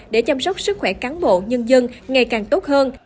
để chăm sóc sức khỏe cán bộ nhân dân ngày càng tốt hơn